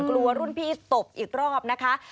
รุ่นพี่ตบอีกรอบนะคะ